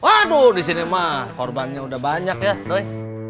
waduh disini mah korbannya udah banyak ya doi